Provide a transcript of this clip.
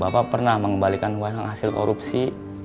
bapak pernah mengembalikan uang hasil korupsi